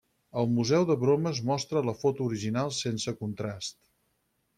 El Museu de bromes mostra la foto original sense contrast.